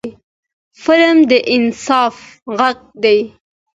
فلم د انصاف غږ دی